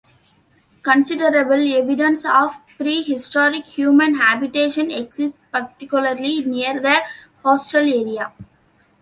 Considerable evidence of prehistoric human habitation exists particularly near the coastal area.